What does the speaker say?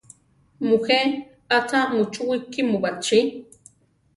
Mujé; achá muchúwi kímu baʼchí?